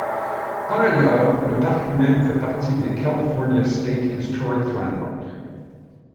Par ailleurs, le parc lui-même fait partie des California State Historic Landmark.